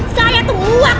saya tuh muak